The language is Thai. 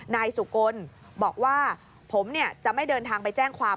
นายสุกลบอกว่าผมจะไม่เดินทางไปแจ้งความ